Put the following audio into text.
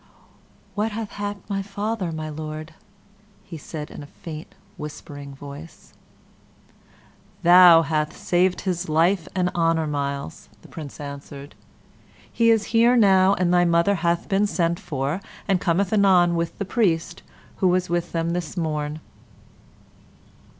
"What hath happed my father, my Lord?" said he, in a faint, whispering voice. "Thou hath saved his life and honor, Myles," the Prince answered. "He is here now, and thy mother hath been sent for, and cometh anon with the priest who was with them this morn."